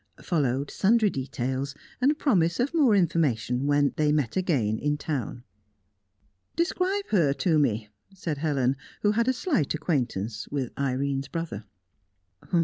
Followed sundry details and promise of more information when they met again in town. "Describe her to me," said Helen, who had a slight acquaintance with Irene's brother.